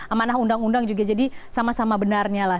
amanah undang undang juga jadi sama sama benarnya lah